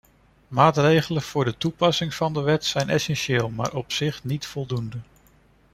Maatregelen voor de toepassing van de wet zijn essentieel maar op zich niet voldoende.